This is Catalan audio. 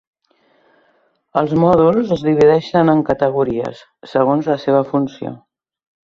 Els mòduls es divideixen en categories, segons la seva funció.